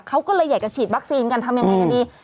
เขาก็เลยอยากจะฉีดวัคซีนกันทำยังไงกันดี